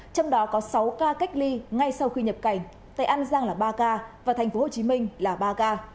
trong đó có sáu ca cách ly ngay sau khi nhập cảnh tại an giang là ba ca và tp hcm là ba ca